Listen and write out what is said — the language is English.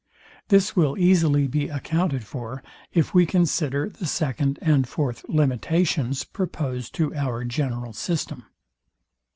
This will easily be accounted for, if we consider the second and fourth limitations, proposed to our general system.